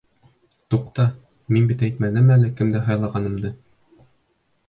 Туҡта, мин бит әйтмәнем әле кемде һайлағанымды!